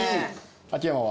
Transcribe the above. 秋山は？